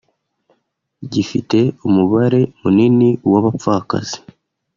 gifite umubare munini w’abapfakazi